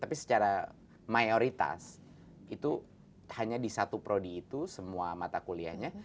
tapi secara mayoritas itu hanya di satu prodi itu semua mata kuliahnya